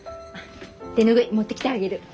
手拭い持ってきてあげる。